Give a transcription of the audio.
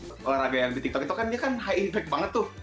olahraga yang di tiktok itu kan high effect banget tuh